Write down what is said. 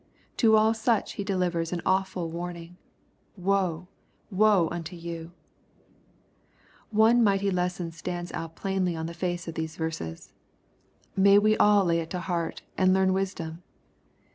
To all such He delivers an awful warning. —" Woe, woe unto you 1" One mighty lesson stands out plainly on the face of these verses. May we all lay it to heart, and learn wisdom